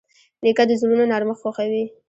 نیکه د زړونو نرمښت خوښوي.